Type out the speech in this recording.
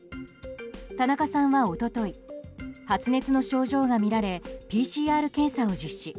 田中さんは一昨日発熱の症状がみられＰＣＲ検査を実施。